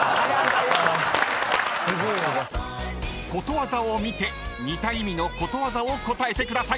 ［ことわざを見て似た意味のことわざを答えてください］